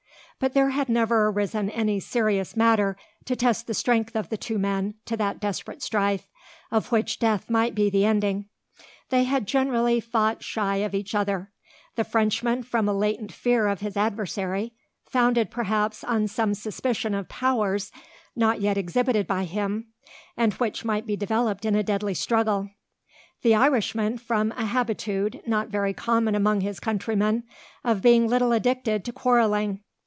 But there had never arisen any serious matter to test the strength of the two men to that desperate strife, of which death might be the ending. They had generally fought shy of each other; the Frenchman from a latent fear of his adversary, founded, perhaps, on some suspicion of powers not yet exhibited by him, and which might be developed in a deadly struggle, the Irishman from a habitude, not very common among his countrymen, of being little addicted to quarrelling.